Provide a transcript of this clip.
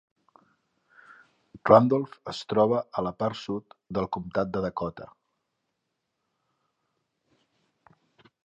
Randolph es troba a la part sud del comptat de Dakota.